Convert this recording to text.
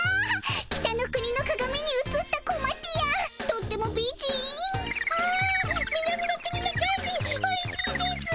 北の国のかがみにうつったコマティアとっても美人！はあ南の国のキャンディーおいしいですぅ！